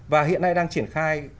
và hiện nay đang triển khai